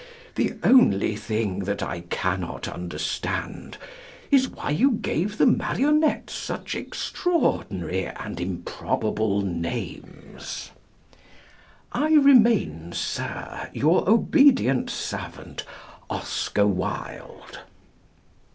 The only thing that I cannot understand is why you gave the marionettes such extraordinary and improbable names. I remain, Sir, your obedient servant, OSCAR WILDE.